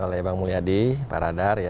oleh bang mulyadi pak radar